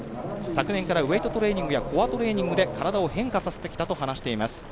昨年からウエートトレーニングやコアトレーニングで体を変化させてきたと話しています。